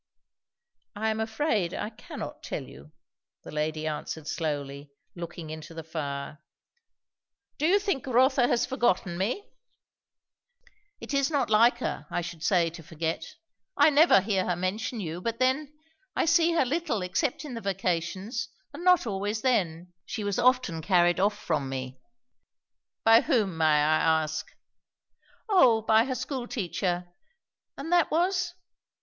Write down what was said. "I am afraid I cannot tell you," the lady answered slowly, looking into the fire. "Do you think Rotha has forgotten me?" "It is not like her, I should say, to forget. I never hear her mention you. But then, I see her little except in the vacations, and not always then; she was often carried off from me." "By whom, may I ask?" "O by her school teacher." "And that was